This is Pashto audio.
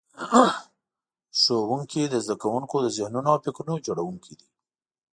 ښوونکي د زده کوونکو د ذهنونو او فکرونو جوړونکي دي.